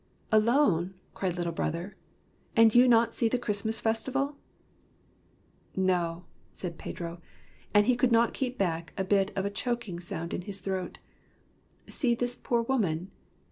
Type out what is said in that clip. "Alone?" cried Little Brother. "And you not see the Christmas festival? "" No," said Pedro, and he could not keep back a bit of a choking sound in his throat. " See this poor woman.